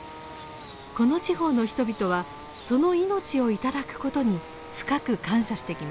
この地方の人々はその命を頂くことに深く感謝してきました。